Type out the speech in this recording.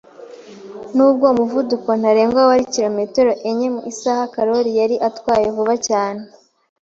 Nubwo umuvuduko ntarengwa wari kilometero enye mu isaha, Karoli yari atwaye vuba cyane.